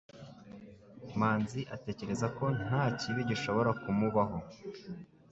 Manzi atekereza ko nta kibi gishobora kumubaho.